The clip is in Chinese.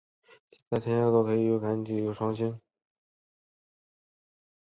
在天鹤座有几对肉眼可以看见的双星。